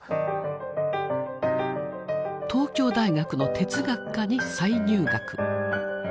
東京大学の哲学科に再入学。